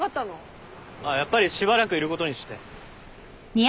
やっぱりしばらくいることにして。